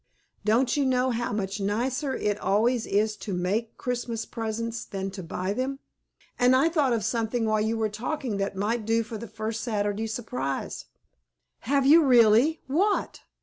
Don't you know how much nicer it always is to make Christmas presents than to buy them? And I thought of something while you were talking that might do for the first Saturday surprise." "Have you really? What?"